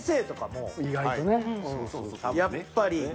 やっぱり。